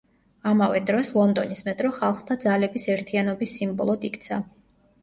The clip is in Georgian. ამავე დროს, ლონდონის მეტრო ხალხთა ძალების ერთიანობის სიმბოლოდ იქცა.